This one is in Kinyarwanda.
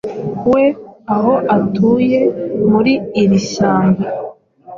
We. Aho utuye, muri iri shyamba,